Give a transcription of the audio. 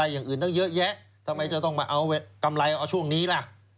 เยอะโทษหนักมากนะคุณชุวิต